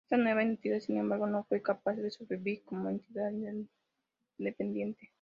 Esta nueva entidad, sin embargo, no fue capaz de sobrevivir como entidad independiente.